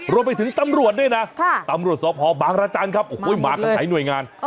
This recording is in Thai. รวมไปถึงตำรวจด้วยนะตำรวจสพบางรจันทร์ครับโอ้โหมากันหลายหน่วยงาน